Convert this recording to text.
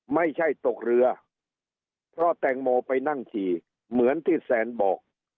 ไม่ใช่ตกเรือเพราะแตงโมไปนั่งฉี่เหมือนที่แซนบอก